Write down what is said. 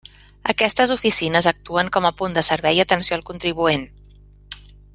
Aquestes oficines actuen com a punt de servei i atenció al contribuent.